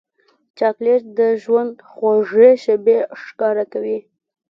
چاکلېټ د ژوند خوږې شېبې ښکاره کوي.